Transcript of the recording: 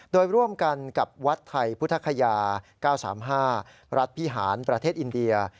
โดยร่วมกันกับวัดไทยพุทธคยา๙๓๕รัฐพิหารประเทศอินเดีย